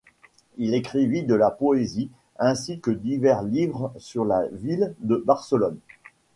Il écrivit de la poésie ainsi que divers livres sur la ville de Barcelone.